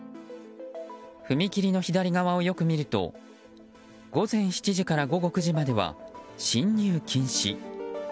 踏切の左側をよく見ると午前７時から午後９時までは進入禁止。